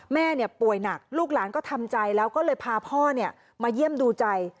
แม่ป่วยหนักลูกหลานก็ทำใจแล้วก็เลยพาพ่อมาเยี่ยมดูใจ